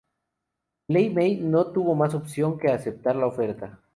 Li Mei no tuvo más opción que aceptar la oferta.